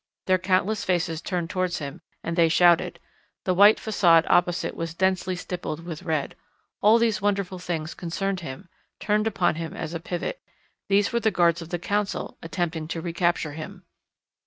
Their countless faces turned towards him, and they shouted. The white façade opposite was densely stippled with red. All these wonderful things concerned him, turned upon him as a pivot. These were the guards of the Council attempting to recapture him.